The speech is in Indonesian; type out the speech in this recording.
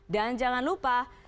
dan jangan lupa